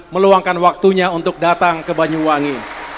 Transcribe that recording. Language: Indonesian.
meluangkan waktunya untuk datang ke banyuwangi